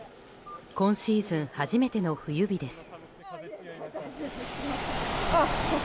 今シーズン初めての冬日です。